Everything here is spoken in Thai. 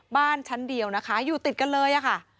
บ้านชั้นเดียวนะคะอยู่ติดกันเลยค่ะ